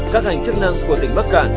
các hành chức năng của tỉnh bắc cản